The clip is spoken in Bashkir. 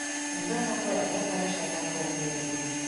Төнгә саҡлы әллә ҡайҙа шайтан ҡыуып йөрөйһөң.